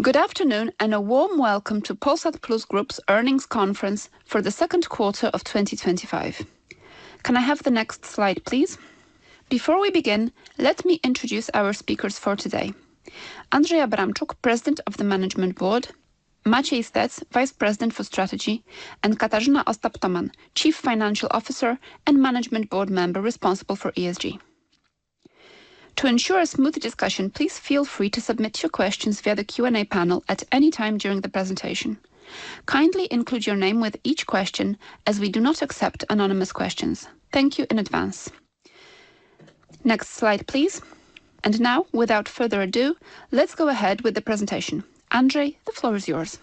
Good afternoon and a warm welcome to Polsat Plus Group's Earnings Conference for the Second Quarter of 2025. Can I have the next slide please? Before we begin, let me introduce our speakers: Andrzej Abramczuk, President of the Management Board, Maciej Stec, Vice President for Strategy, and Katarzyna Ostap-Tomann, Chief Financial Officer and Management Board Member responsible for ESG. To ensure a smooth discussion, please feel free to submit your questions via the Q&A panel at any time during the presentation. Kindly include your name with each question as we do not accept anonymous questions. Thank you in advance. Next slide please. Now, without further ado, let's go ahead with the presentation. Andrzej, the floor is yours.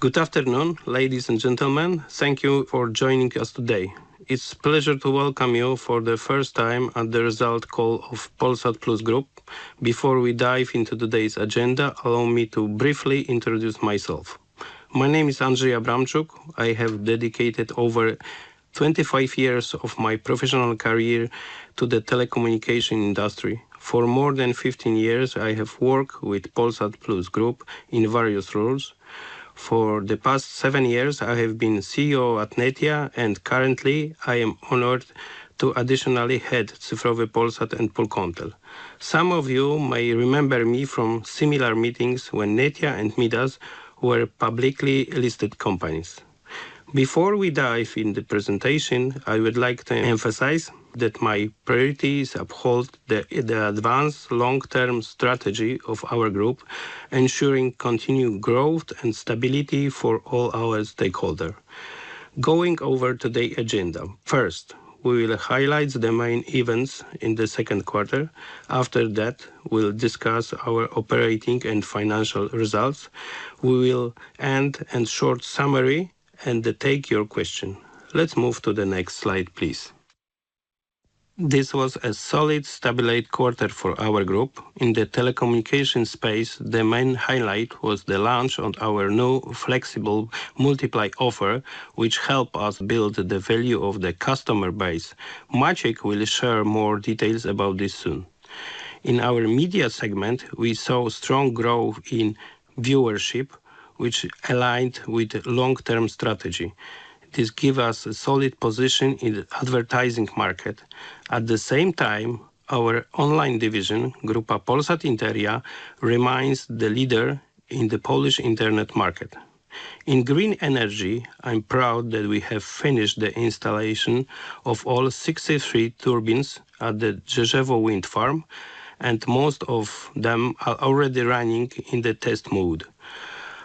Good afternoon, ladies and gentlemen. Thank you for joining us today. It's a pleasure to welcome you for the first time at the result call of Polsat Plus Group. Before we dive into today's agenda, allow me to briefly introduce myself. My name is Andrzej Abramczuk. I have dedicated over 25 years of my professional career to the telecommunications industry. For more than 15 years I have worked with Polsat Plus Group in various roles. For the past seven years I have been CEO at Netia and currently I am honored to additionally head Cyfrowy Polsat, and Polkomtel. Some of you may remember me from similar meetings when Netia and Midas were publicly listed companies. Before we dive in the presentation, I would like to emphasize that my priorities uphold the advanced long-term strategy of our group, ensuring continued growth and stability for all our stakeholders. Going over today's agenda, first we will highlight the main events in the second quarter. After that we'll discuss our operating and financial results. We will end with a short summary and take your questions. Let's move to the next slide, please. This was a solid, stabilized quarter for our group in the telecommunications space. The main highlight was the launch of our new flexible multiplay offer which helped us build the value of the customer base. Maciej will share more details about this soon. In our media segment we saw strong growth in viewership which aligned with long-term strategy. This gives us a solid position in the advertising market. At the same time, our online division, Grupa Polsat-Interia, remains the leader in the Polish internet market. Green energy, i'm proud that we have finished the installation of all 63 turbines at the Drzeżewo wind farm and most of them are already running in the test mode.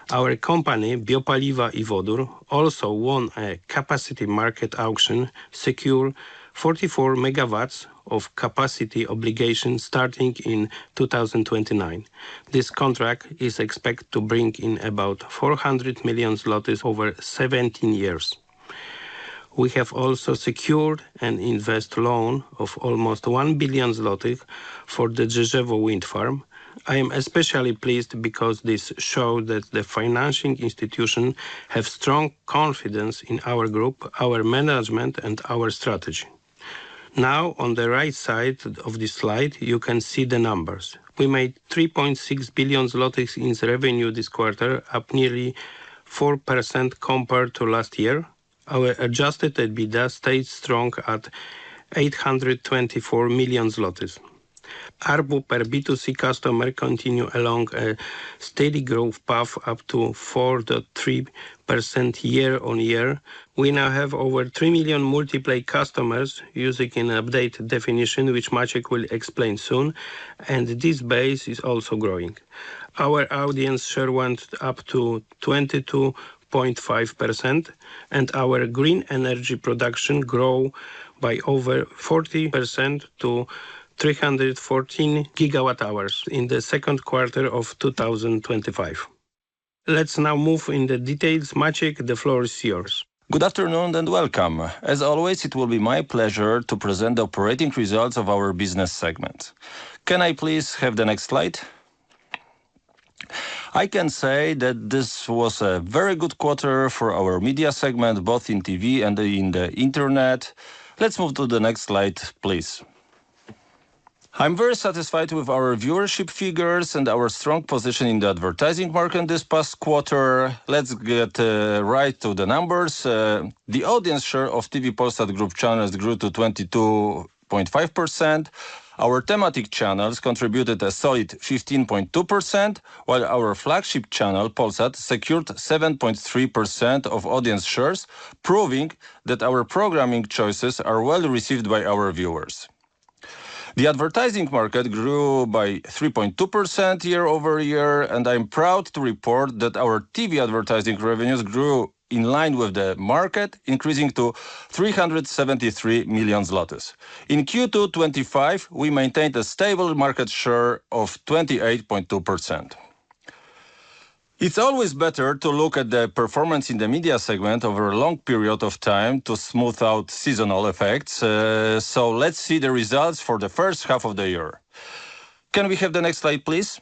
Our company, Biopaliwa i Wodór, also won a capacity market auction and secured 44 MW of capacity obligations starting in 2029. This contract is expected to bring in about 400 million zlotys over 17 years. We have also secured an investment loan of almost 1 billion zlotys for the Drzeżewo wind farm. I am especially pleased because this shows that the financing institutions have strong confidence in our group, our management, and our strategy. Now, on the right side of this slide, you can see the numbers. We made 3.6 billion in revenue this quarter, up nearly 4% compared to last year. Our adjusted EBITDA stays strong at 824 million zlotys. ARPU per B2C customer continued along a steady growth path, up to 4.3% year on year. We now have over 3 million multiplay customers using an updated definition which Maciej will explain soon, and this base is also growing. Our audience went up to 22.5% and Green energy production grew by over 40% to 314 GWh in the second quarter of 2025. Let's now move into the details. Maciej, the floor is yours. Good afternoon and welcome. As always, it will be my pleasure to present the operating results of our business segments. Can I please have the next slide? I can say that this was a very good quarter for our media segment, both in TV and in the Internet. Let's move to the next slide, please. I'm very satisfied with our viewership figures and our strong position in the advertising market this past quarter. Let's get right to the numbers. The audience share of TV Polsat Group channels grew to 22.5%. Our thematic channels contributed a solid 15.2% while our flagship channel Polsat secured 7.3% of audience share, proving that our programming choices are well received by our viewers. The advertising market grew by 3.2% year-over-year. I'm proud to report that our TV advertising revenues grew in line with the market, increasing to 373 million zlotys in Q2 2025. We maintained a stable market share of 28.2%. It's always better to look at the performance in the media segment over a long period of time to smooth out seasonal effects. Let's see the results for the first half of the year. Can we have the next slide, please?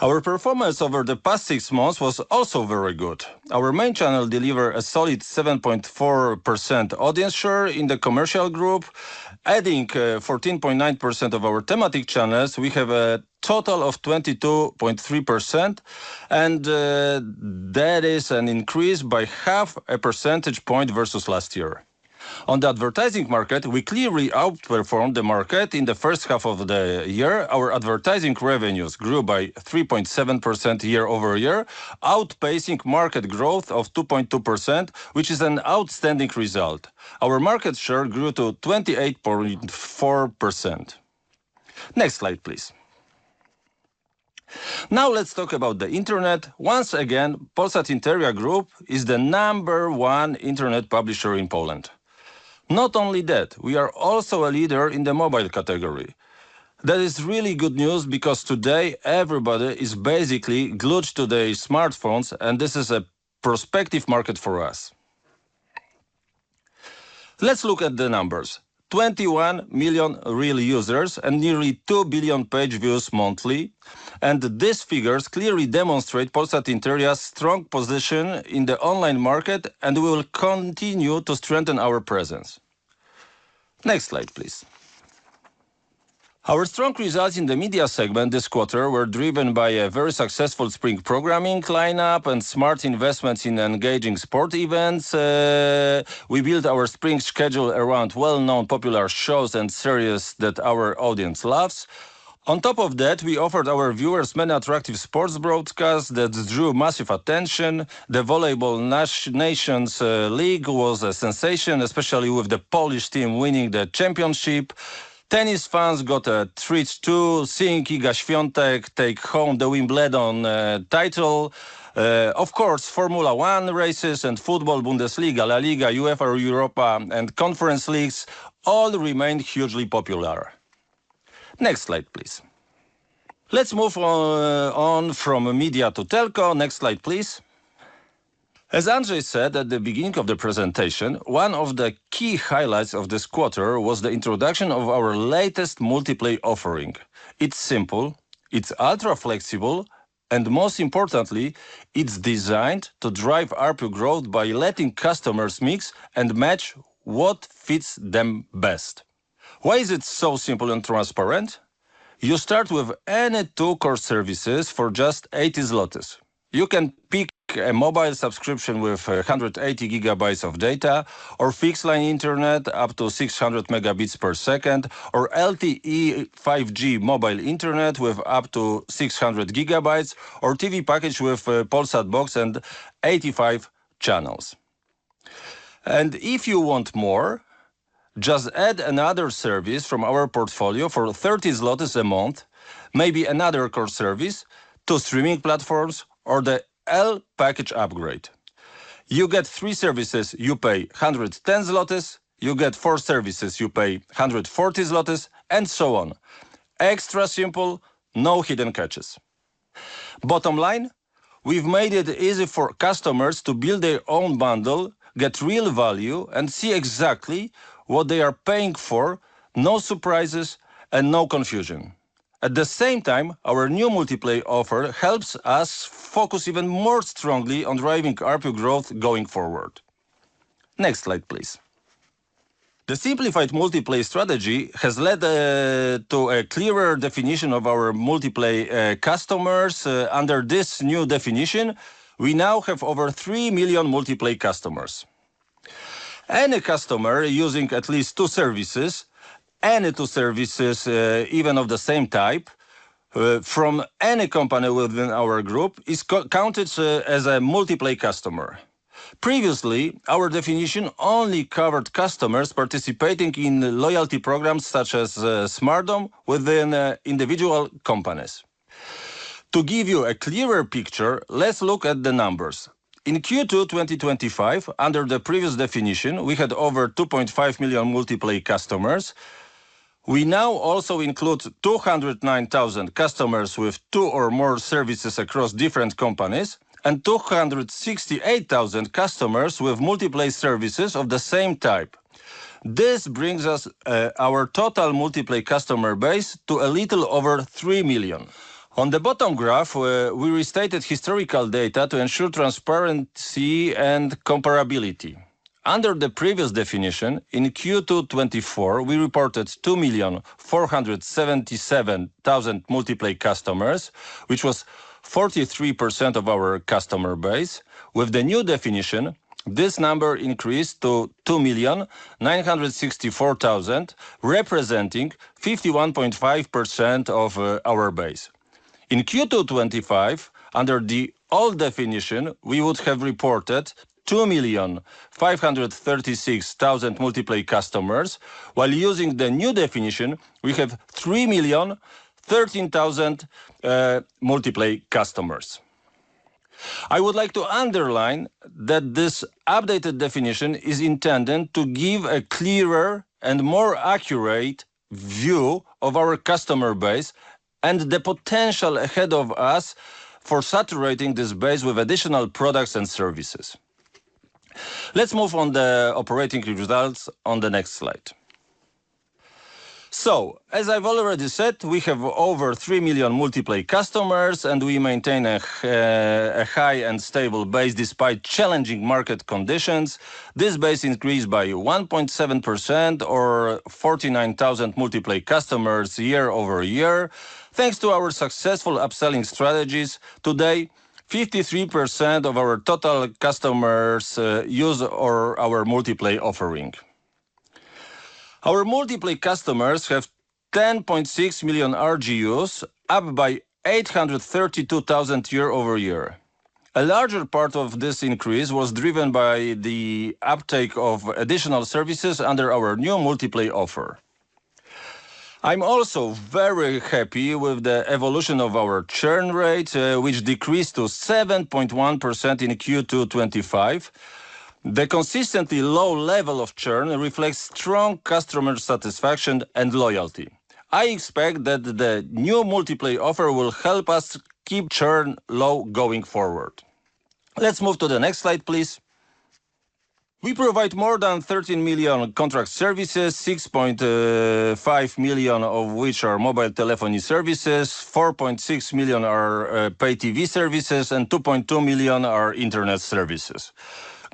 Our performance over the past six months was also very good. Our main channel delivered a solid 7.4% audience share in the commercial group, adding 14.9% of our thematic channels. We have a total of 22.3% and that is an increase by half a percentage point versus last year on the advertising market. We clearly outperformed the market in the first half of the year. Our advertising revenues grew by 3.7% year-over-year, outpacing market growth of 2.2%, which is an outstanding result. Our market share grew to 28.4%. Next slide, please. Now let's talk about the Internet once again. Polsat-Interia Group is the number one Internet publisher in Poland. Not only that, we are also a leader in the mobile category. That is really good news because today everybody is basically glued to their smartphones and this is a prospective market for us. Let's look at the numbers. 21 million real users and nearly 2 billion page views monthly, and these figures clearly demonstrate Polsat-Interia's strong position in the online market and will continue to strengthen our presence. Next slide, please. Our strong results in the media segment this quarter were driven by a very successful spring programming lineup and smart investments in engaging sport events. We built our spring schedule around well-known popular shows and series that our audience loves. On top of that, we offered our viewers many attractive sports broadcasts that drew massive attention. The Volleyball Nations League was a sensation, especially with the Polish team winning the championship. Tennis fans got a treat too, seeing Iga Świątek take home the Wimbledon title. Of course, Formula 1 races and football, Bundesliga, La Liga, UEFA Europa and Conference leagues all remained hugely popular. Next slide, please. Let's move on from media to telco. Next slide, please. As Andrzej said at the beginning of the presentation, one of the key highlights of this quarter was the introduction of our latest multiplay offer. It's simple, it's ultra flexible and most importantly, it's designed to drive ARPU growth by letting customers mix and match what fits them best. Why is it so simple and transparent? You start with any two core services for just 80 zlotys. You can pick a mobile subscription with 180 GB of data or fixed line Internet up to 600 Mb/s or LTE/5G mobile Internet with up to 600 GB or TV package with Polsat Box and 85 channels. If you want more, just add another service from our portfolio for 30 zlotys a month. Maybe another core service, two streaming platforms or the L package upgrade. You get three services, you pay 110 zlotys, you get four services, you pay 140 zlotys and so on. Extra simple, no hidden catches. Bottom line, we've made it easy for customers to build their own bundle, get real value and see exactly what they are paying for. No surprises and no confusion. At the same time, our new multiplay offer helps us focus even more strongly on driving ARPU growth going forward. Next slide, please. The simplified multiplay strategy has led to a clearer definition of our multiplay customers. Under this new definition, we now have over 3 million multiplay customers. Any customer using at least two services, any two services, even of the same type, from any company within our group is counted as a multiplay customer. Previously, our definition only covered customers participating in loyalty programs such as SmartDom within individual companies. To give you a clearer picture, let's look at the numbers. In Q2 2025, under the previous definition, we had over 2.5 million multiplay customers. We now also include 209,000 customers with two or more services across different companies and 268,000 customers with multiplay services of the same type. This brings us our total multiplay customer base to a little over 3 million. On the bottom graph where we stated historical data to ensure transparency and comparability. Under the previous definition, in Q2 2024 we reported 2,477,000 multiplay customers, which was 43% of our customer base. With the new definition, this number increased to 2,964,000, representing 51.5% of our base. In Q2 2025, under the old definition, we would have reported 2,536,000 multiplay customers. While using the new definition, we have 3,013,000 multiplay customers. I would like to underline that this updated definition is intended to give a clearer and more accurate view of our customer base and the potential ahead of us for saturating this base with additional products and services. Let's move on the operating results on the next slide. As I've already said, we have over 3 million multiplay customers and we maintain a high and stable base despite challenging market conditions. This base increased by 1.7% or 49,000 multiplay customers year-over-year thanks to our successful upselling strategies. Today, 53% of our total customers use our multiplay offering. Our multiplay customers have 10.6 million RGUs, up by 832,000 year-over-year. A larger part of this increase was driven by the uptake of additional services under our new multiplay offer. I'm also very happy with the evolution of our churn rate, which decreased to 7.1% in Q2 2025. The consistently low level of churn reflects strong customer satisfaction and loyalty. I expect that the new multiplay offer will help us keep churn low going forward. Let's move to the next slide, please. We provide more than 13 million contract services, 6.5 million of which are mobile telephony services, 4.6 million are pay TV services, and 2.2 million are Internet services.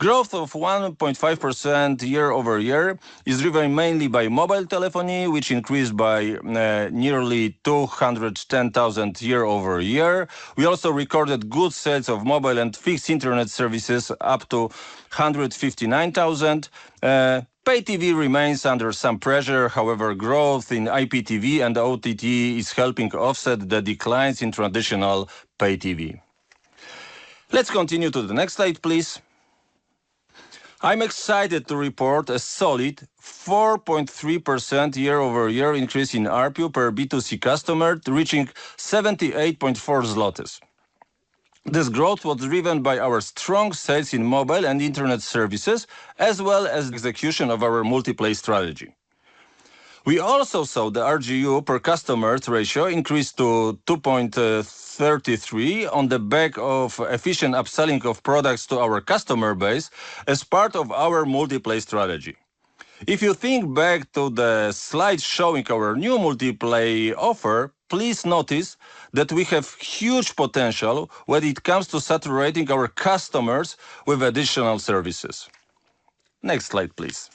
Growth of 1.5% year-over-year is driven mainly by mobile telephony, which increased by nearly 210,000 year-over-year. We also recorded good sales of mobile and fixed Internet services, up to 159,000. Pay TV remains under some pressure, however, growth in IPTV and OTT is helping offset the declines in traditional pay TV. Let's continue to the next slide, please. I'm excited to report a solid 4.3% year-over-year increase in ARPU per B2C customer, reaching 78.4 zlotys. This growth was driven by our strong sales in mobile and Internet services as well as execution of our multiplay strategy. We also saw the RGU per customer ratio increase to 2.33% on the back of efficient upselling of products to our customer base as part of our multiplay strategy. If you think back to the slide showing our new multiplay offer, please notice that we have huge potential when it comes to saturating our customers with additional services. Next slide please.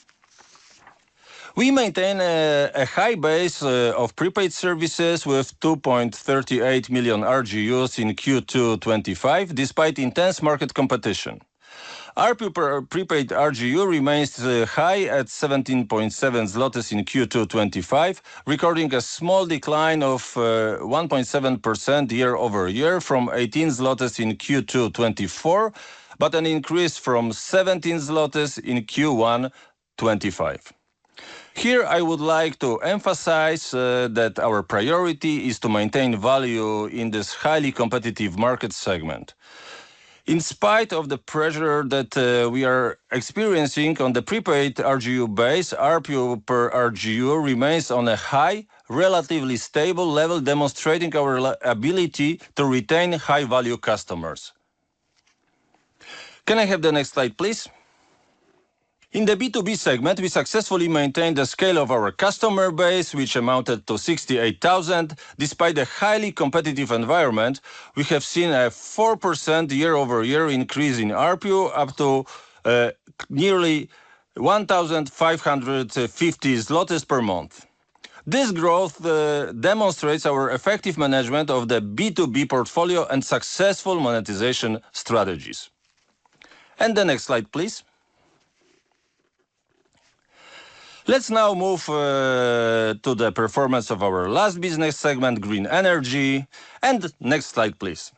We maintain a high base of prepaid services with 2.38 million RGUs in Q2 2025. Despite intense market competition, ARPU per Prepaid RGU remains high at 17.7 zlotys in Q2 2025, recording a small decline of 1.7% YoY from 18 zlotys in Q2 2024, but an increase from 17 zlotys in Q1 2025. Here I would like to emphasize that our priority is to maintain value in this highly competitive market segment. In spite of the pressure that we are experiencing on the prepaid RGU base, ARPU per RGU remains on a high, relatively stable level, demonstrating our ability to retain high value customers. Can I have the next slide please? In the B2B segment, we successfully maintained the scale of our customer base which amounted to 68,000 despite the highly competitive environment. We have seen a 4% YoY increase in ARPU up to nearly 1,550 zlotys per month. This growth demonstrates our effective management of the B2B portfolio and successful monetization strategies. Next slide please. Let's now move to the performance of our last business Green energy, and next slide please.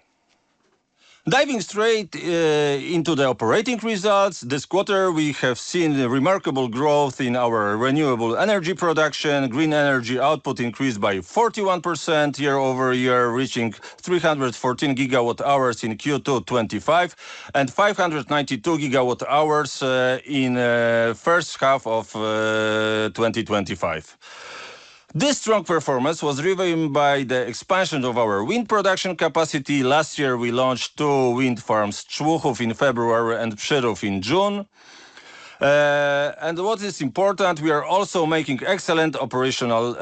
Diving straight into the operating results this quarter, we have seen remarkable growth in our renewable energy Green energy output increased by 41% year-over-year, reaching 314 GWh in Q2 2025 and 592 GWh in the first half of 2025. This strong performance was driven by the expansion of our wind production capacity last year. We launched two wind farms, Człuchów in February and Przyrów in June, and what is important, we are also making excellent operational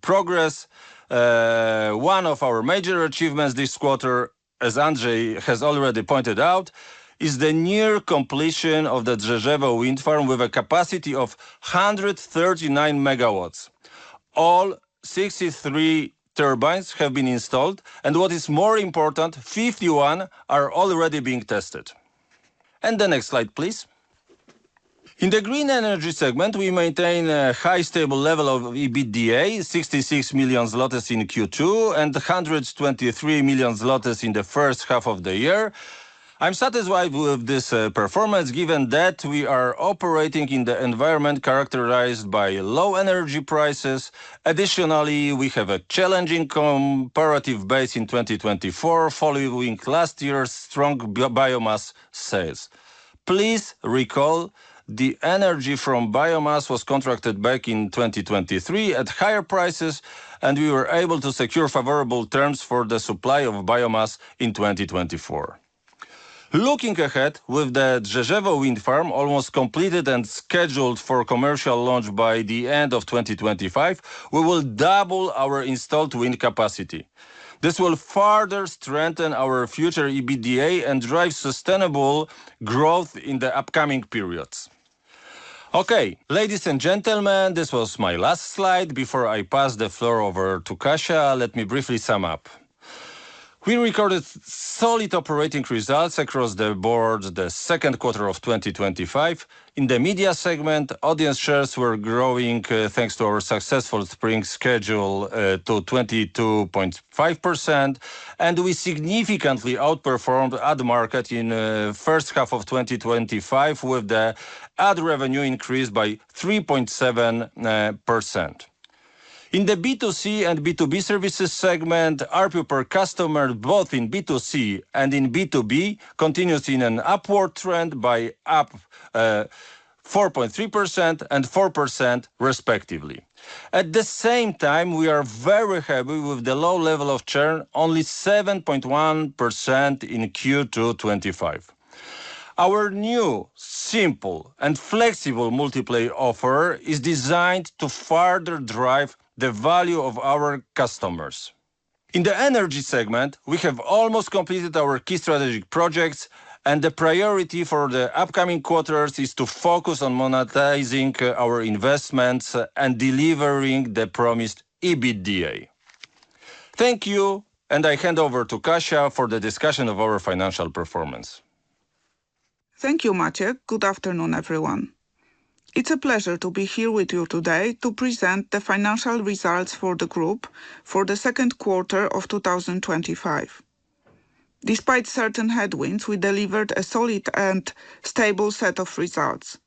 progress. One of our major achievements this quarter, as Andrzej has already pointed out, is the near completion of the Drzeżewo wind farm with a capacity of 139 MW. All 63 turbines have been installed and what is more important, 51 are already being tested. Next slide please. In Green energy segment, we maintain a high stable level of EBITDA, 66 million in Q2 and 123 million in the first half of the year. I'm satisfied with this performance given that we are operating in the environment characterized by low energy prices. Additionally, we have a challenging comparative base in 2024 following last year's strong biomass sales. Please recall the energy from biomass was contracted back in 2023 at higher prices, and we were able to secure favorable terms for the supply biomass in 2024. Looking ahead, with the Drzeżewo wind farm almost completed and scheduled for commercial launch by the end of 2025, we will double our installed wind capacity. This will further strengthen our future EBITDA and drive sustainable growth in the upcoming periods. Okay, ladies and gentlemen, this was my last slide. Before I pass the floor over to Kasia, let me briefly sum up. We recorded solid operating results across the board in the second quarter of 2025. In the media segment, audience shares were growing thanks to our successful spring schedule to 22.5%, and we significantly outperformed the ad market in the first half of 2025 with the ad revenue increase by 3.7%. In the B2C and B2B services segment, ARPU per customer, both in B2C and in B2B, continues in an upward trend by up 4.3% and 4% respectively. At the same time, we are very happy with the low level of churn, only 7.1% in Q2 2025. Our new simple and flexible multiplay offer is designed to further drive the value of our customers. In the energy segment, we have almost completed our key strategic projects, and the priority for the upcoming quarters is to focus on monetizing our investments and delivering the promised EBITDA. Thank you. And I hand over to Kasia for the discussion of our financial performance. Thank you, Maciej. Good afternoon everyone. It's a pleasure to be here with you today to present the financial results for the group for the second quarter of 2025. Despite certain headwinds, we delivered a solid and stable set of results.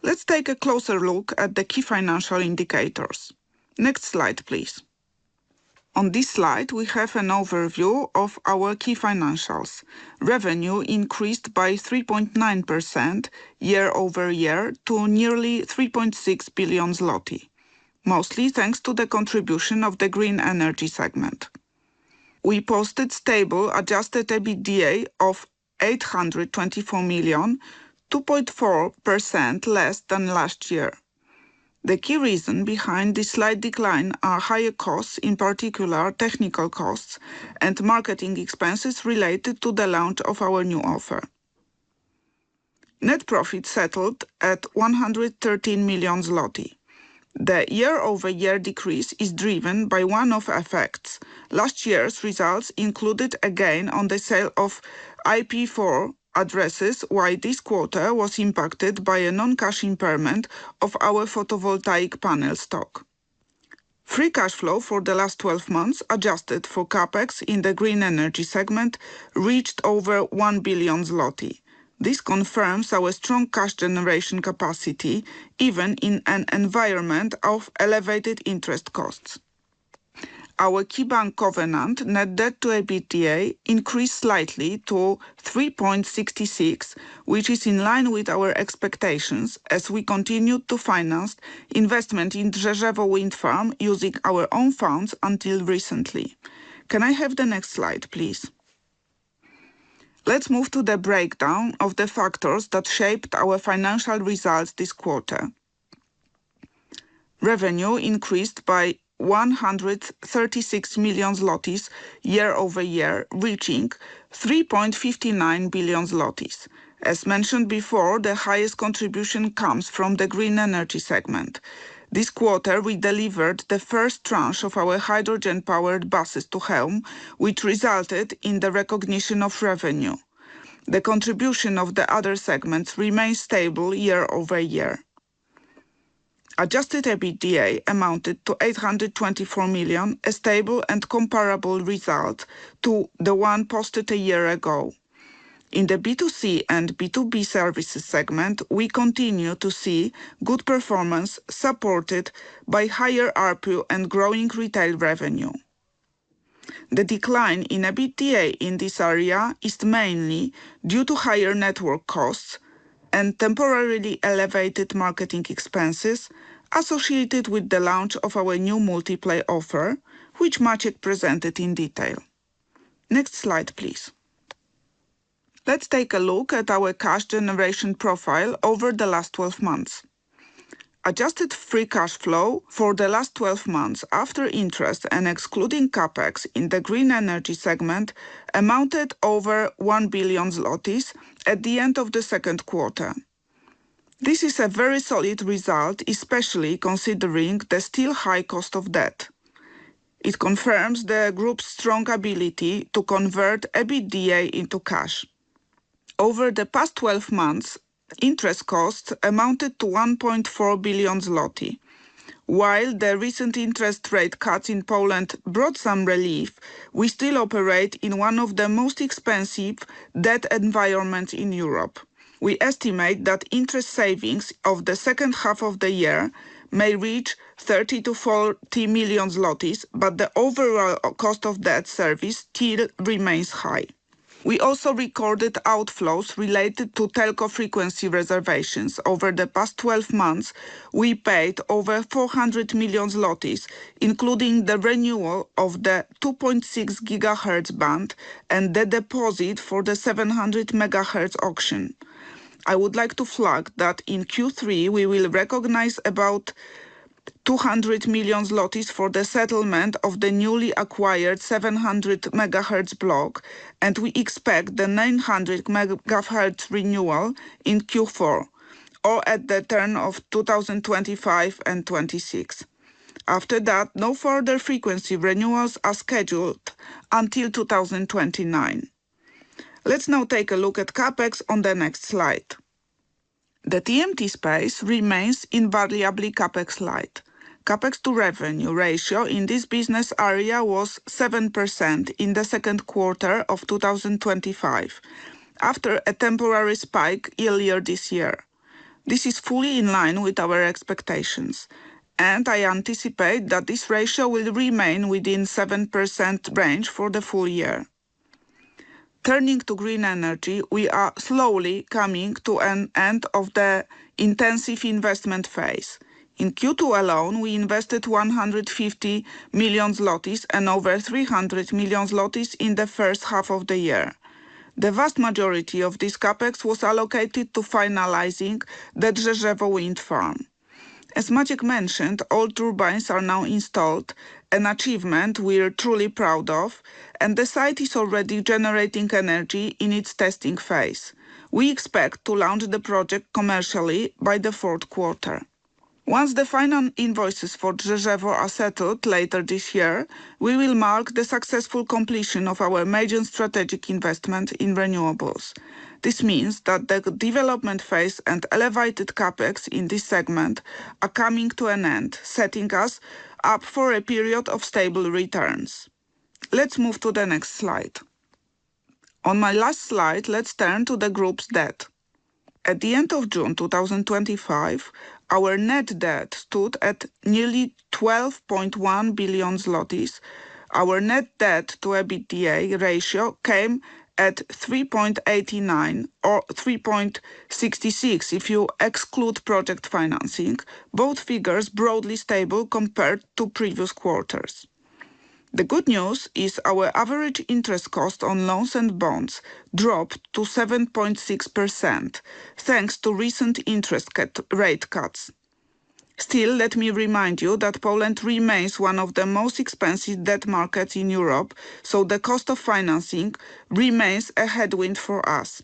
Let's take a closer look at the key financial indicators. Next slide please. On this slide, we have an overview of our key financials. Revenue increased by 3.9% year-over-year to nearly 3.6 billion zloty, mostly thanks to the contribution of Green energy segment. We posted stable adjusted EBITDA of 824 million, 2.4% less than last year. The key reason behind this slight decline is higher costs, in particular technical costs and marketing expenses related to the launch of our new offer. Net profit settled at 113 million zloty. The year-over-year decrease is driven by one-off effects. Last year's results included a gain on the sale of IPv4 addresses, while this quarter was impacted by a non-cash impairment of our photovoltaic panel stock. Free cash flow for the last 12 months adjusted for CapEx in Green energy segment reached over 1 billion zloty. This confirms our strong cash generation capacity even in an environment of elevated interest costs. Our key bank covenant net debt to EBITDA increased slightly to 3.66, which is in line with our expectations as we continued to finance investment in Drzeżewo wind farm using our own funds until recently. Can I have the next slide please? Let's move to the breakdown of the factors that shaped our financial results this quarter. Revenue increased by 136 million zlotys year-over-year, reaching 3.59 billion zlotys. As mentioned before, the highest contribution comes from Green energy segment. This quarter, we delivered the first tranche of our hydrogen-powered buses to Chełm, which resulted in the recognition of revenue. The contribution of the other segments remains stable year-over-year. Adjusted EBITDA amounted to 824 million, a stable and comparable result to the one posted a year ago in the B2C and B2B services segment. We continue to see good performance supported by higher ARPU and growing retail revenue. The decline in EBITDA in this area is mainly due to higher network costs and temporarily elevated marketing expenses associated with the launch of our new multiplay offer, which Maciej presented in detail. Next slide please. Let's take a look at our cash generation profile over the last 12 months. Adjusted free cash flow for the last 12 months after interest and excluding CapEx in Green energy segment amounted to over 1 billion zlotys at the end of the second quarter. This is a very solid result, especially considering the still high cost of debt. It confirms the group's strong ability to convert EBITDA into cash. Over the past 12 months, interest costs amounted to 1.4 billion zloty. While the recent interest rate cuts in Poland brought some relief, we still operate in one of the most expensive perceived debt environments in Europe. We estimate that interest savings of the second half of the year may reach 30 million-40 million zlotys, but the overall cost of debt service still remains high. We also recorded outflows related to telco frequency reservations. Over the past 12 months, we paid over 400 million, including the renewal of the 2.6 GHz band and the deposit for the 700 MHz auction. I would like to flag that in Q3 we will recognize about 200 million zlotys for the settlement of the newly acquired 700 MHz block, and we expect the 900 MHz renewal in Q4 or at the turn of 2025 and 2026. After that, no further frequency renewals are scheduled until 2029. Let's now take a look at CapEx on the next slide. The TMT space remains invariably CapEx light. CapEx to revenue ratio in this business area was 7% in the second quarter of 2025 after a temporary spike earlier this year. This is fully in line with our expectations, and I anticipate that this ratio will remain within the 7% range for the full year. Turning Green energy, we are slowly coming to an end of the intensive investment phase. In Q2 alone, we invested 150 million zlotys and over 300 million zlotys in the first half of the year. The vast majority of this CapEx was allocated to finalizing the Drzeżewo wind farm. As Maciej mentioned, all turbines are now installed, an achievement we are truly proud of, and the site is already generating energy in its testing phase. We expect to launch the project commercially by the fourth quarter. Once the final invoices for Drzeżewo are settled later this year, we will mark the successful completion of our major strategic investment in renewables. This means that the development phase and elevated CapEx in this segment are coming to an end, setting us up for a period of stable returns. Let's move to the next slide. On my last slide, let's turn to the group's debt. At the end of June 2025, our net debt stood at nearly 12.1 billion zlotys. Our net debt to EBITDA ratio came at 3.89 or 3.66 if you exclude project financing. Both figures broadly stable compared to previous quarters. The good news is our average interest cost on loans and bonds dropped to 7.6% thanks to recent interest rate cuts. Still, let me remind you that Poland remains one of the most expensive debt markets in Europe, so the cost of financing remains a headwind for us.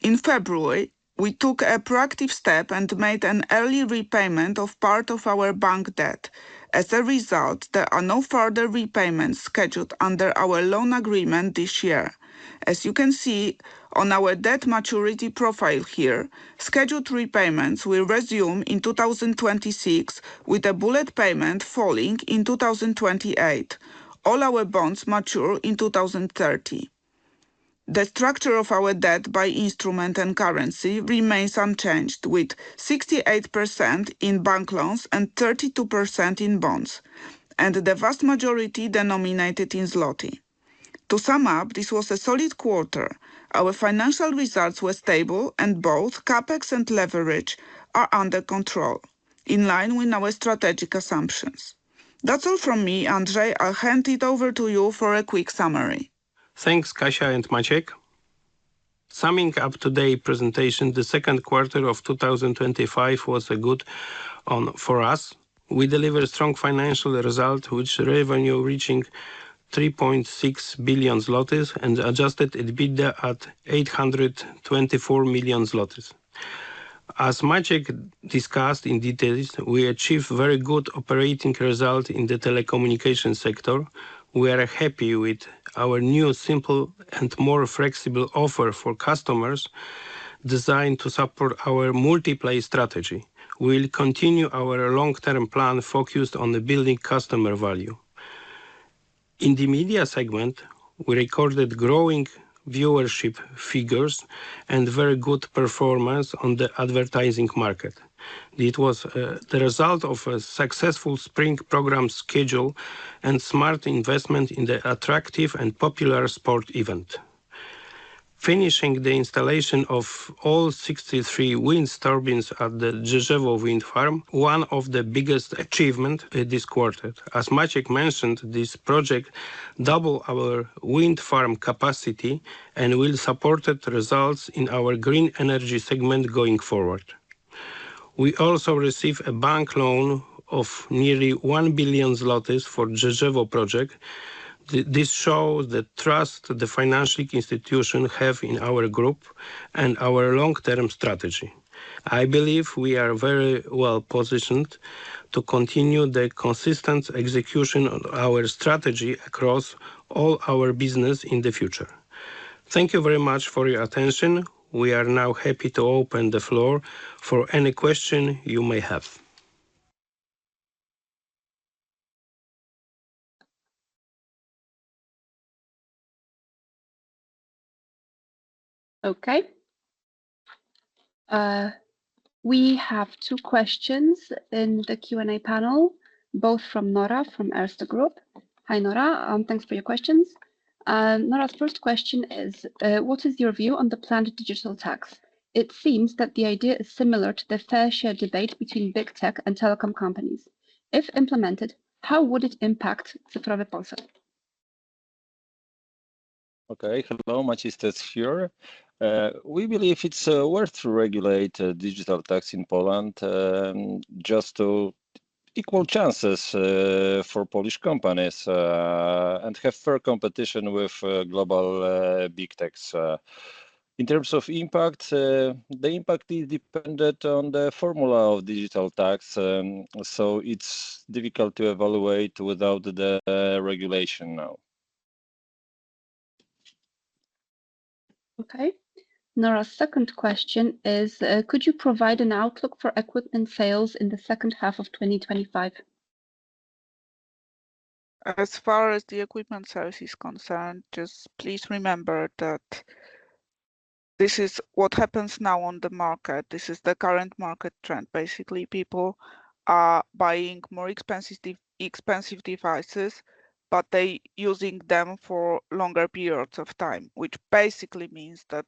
In February we took a proactive step and made an early repayment of part of our bank debt. As a result, there are no further repayments scheduled under our loan agreement this year. As you can see on our debt maturity profile here, scheduled repayments will resume in 2026 with a bullet payment falling in 2028. All our bonds mature in 2030. The structure of our debt by instrument and currency remains unchanged with 68% in bank loans and 32% in bonds and the vast majority denominated in PLN. To sum up, this was a solid quarter. Our financial results were stable and both CapEx and leverage are under control in line with our strategic assumptions. That's all from me. Andrzej, I'll hand it over to you for a quick summary. Thanks. Kasia and Maciej summing up today's presentation, the second quarter of 2025 was a good for us. We delivered strong financial result with revenue reaching 3.6 billion zlotys and adjusted EBITDA at 824 million zlotys. As Maciej discussed in detail, we achieved very good operating result in the telecommunications sector. We are happy with our new simple and more flexible offer for customers designed to support our multiplay strategy. We will continue our long term plan focused on building customer value in the media segment. We recorded growing viewership figures and very good performance on the advertising market. It was the result of a successful spring program schedule and smart investment in the attractive and popular sport event. Finishing the installation of all 63 wind turbines at the Drzeżewo wind farm, one of the biggest achievements this quarter. As Maciej mentioned, this project doubled our wind farm capacity and will support results in Green energy segment going forward. We also received a bank loan of nearly 1 billion zlotys for Drzeżewo project. This shows the trust the financial institutions have in our group and our long term strategy. I believe we are very well positioned to continue the consistent execution of our strategy across all our business in the future. Thank you very much for your attention. We are now happy to open the floor for any question you may have. Okay, we have two questions in the Q&A panel, both from Nora from Erste Group. Hi Nora, thanks for your questions. Nora's first question is what is your view on the planned digital tax? It seems that the idea is similar to the fair share debate between big tech and telecom companies. If implemented, how would it impact the private process that. Okay, hello, Maciej Stec here. We believe it's worth to regulate digital tax in Poland just to equal chances for Polish companies and have fair competition with global big techs. In terms of impact, the impact is dependent on the formula of digital tax. It's difficult to evaluate without the regulation. Okay, Nora's second question is could you provide an outlook for equipment sales in the second half of 2025. As far as the equipment service is concerned, please remember that this is what happens now on the market. This is the current market trend. Basically, people are buying more expensive, expensive devices, but they're using them for longer periods of time, which basically means that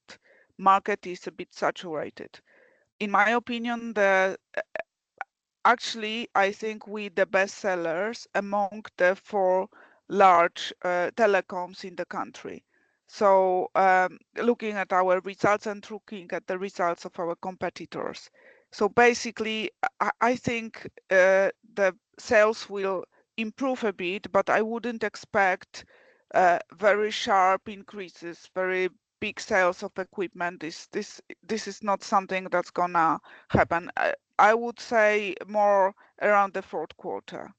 the market is a bit saturated in my opinion. Actually, I think we're the best sellers among the four large telecoms in the country. Looking at our results and looking at the results of our competitors, I think the sales will improve a bit, but I wouldn't expect very sharp increases or very big sales of equipment. This is not something that's going to happen. I would say more around the fourth quarter.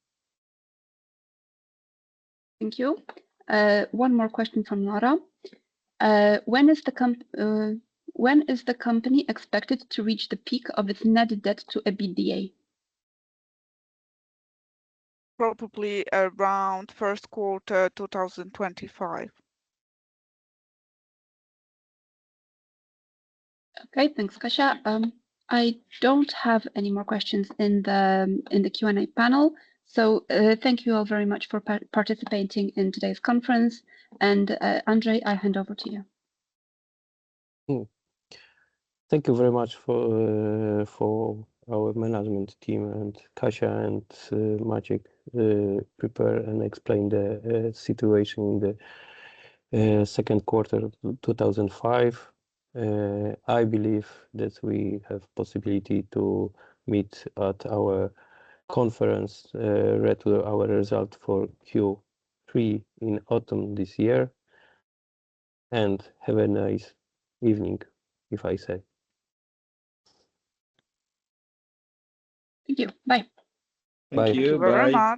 Thank you. One more question from Nora. When is the company expected to reach the peak of its net debt to EBITDA? Probably around first quarter 2025. Okay, thanks Kasia. I don't have any more questions in the Q&A panel. Thank you all very much for participating in today's conference. Andrzej, I hand over to you. Thank you very much for our management team and Kasia and Maciej prepare and explain the situation in the second quarter 2005. I believe that we have possibility to meet at our conference our result for Q3 in autumn this year and have a nice evening if I say. Thank you. Bye Bye.